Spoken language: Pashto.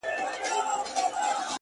سوله كوم خو زما دوه شرطه به حتمآ منې؛